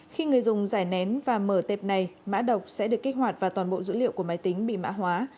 khi người dùng giải nén và mở tệp này mã độc sẽ được kích hoạt và toàn bộ dữ liệu của máy tính bị mã hóa